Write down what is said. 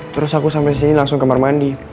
terus aku sampe sini langsung kemar mandi